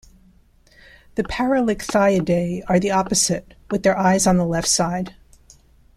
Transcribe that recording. The Paralichthyidae are the opposite, with their eyes on the left side.